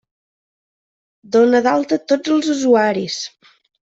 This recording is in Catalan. Dona d'alta tots els usuaris!